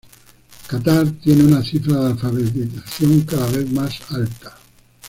Catar tiene una cifra de alfabetización cada vez más alta.